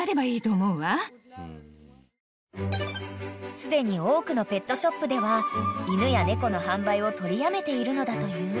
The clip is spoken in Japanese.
［すでに多くのペットショップでは犬や猫の販売を取りやめているのだという］